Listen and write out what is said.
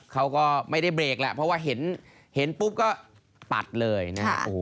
เขาก็ไม่ได้เบรกแหละเพราะว่าเห็นปุ๊บก็ปัดเลยนะฮะ